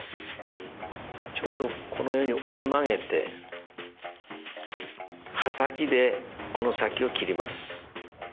ちょうどこのように折り曲げて刃先でこの先を切ります。